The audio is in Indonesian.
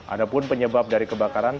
ada pun penyebab dari kebakaran